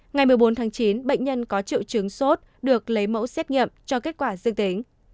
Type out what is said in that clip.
ngày một mươi bốn tháng chín bệnh nhân có triệu chứng sốt được lấy mẫu xét nghiệm cho kết quả dương tính